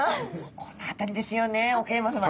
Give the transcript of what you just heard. この辺りですよね奥山さま。